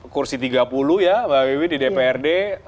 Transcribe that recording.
kursi tiga puluh ya mbak wiwi di dprd